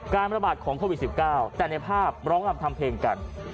ระบาดของโควิด๑๙แต่ในภาพร้องรำทำเพลงกัน